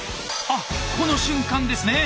あこの瞬間ですね。